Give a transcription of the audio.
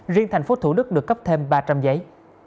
riêng thành phố thủ đức được cấp thêm ba trăm linh giấy